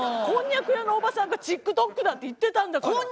こんにゃく屋のおばさんがチックトックだって言ってたんだから。